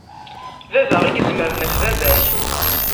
Baba i izemren ɣef baba-k.